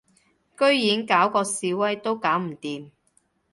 居然搞嗰示威都搞唔掂